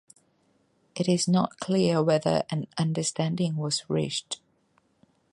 It is not clear whether an understanding was reached.